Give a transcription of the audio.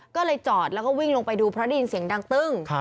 ก็เลยจอดแล้วก็วิ่งลงไปดูเพราะได้ยินเสียงดังตึ้ง